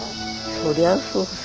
そりゃそうさ。